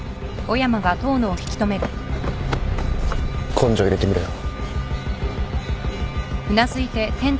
根性入れて見ろよ。